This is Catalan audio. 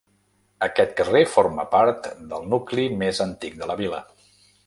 Aquest carrer forma part del nucli més antic de la vila.